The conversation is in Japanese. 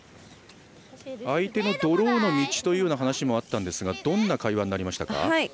相手のドローの道という話もあったんですがどんな会話になりましたか。